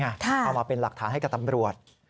เอามาเป็นหลักฐานให้กับตำรวจ